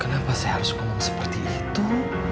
kenapa saya harus ngomong seperti itu